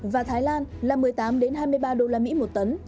và thái lan là một mươi tám hai mươi ba usd một tấn